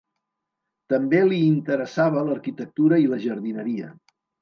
També li interessava l'arquitectura i la jardineria.